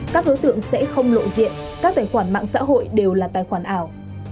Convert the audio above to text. các đối tượng sẽ không lộ diện các tài khoản mạng xã hội đều là tài khoản ảo